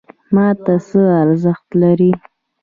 ماته څه ارزښت لري؟